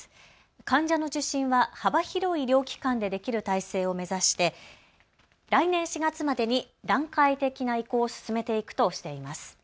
患者の受診は幅広い医療機関でできる体制を目指して来年４月までに段階的な移行を進めていくとしています。